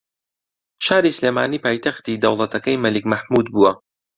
شاری سلێمانی پایتەختی دەوڵەتەکەی مەلیک مەحموود بووە